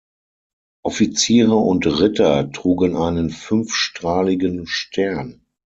Offiziere und Ritter trugen einen fünfstrahligen Stern.